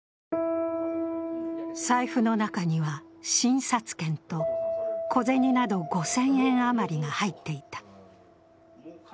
財布の中には診察券と小銭など５０００円余りが入っていた。